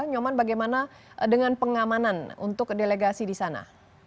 nyoman bagaimana dengan pengamanan untuk delegasi di sana